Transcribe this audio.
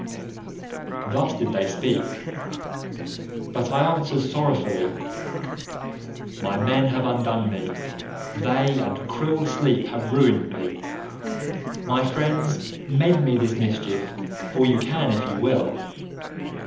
"Thus did they speak, but I answered sorrowfully, 'My men have undone me; they, and cruel sleep, have ruined me. My friends, mend me this mischief, for you can if you will.